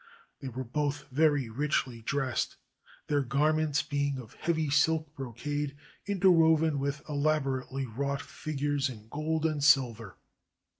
They were both very richly dressed, their garments being of heavy silk brocade interwoven with elaborately wrought figures in gold and silver.